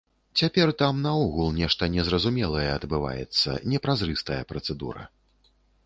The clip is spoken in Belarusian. Цяпер там наогул нешта незразумелае адбываецца, непразрыстая працэдура.